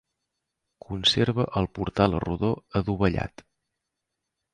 Conserva el portal rodó adovellat.